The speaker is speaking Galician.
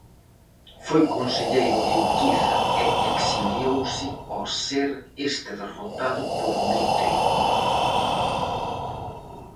Foi conselleiro de Urquiza e exiliouse ao ser este derrotado por Mitre.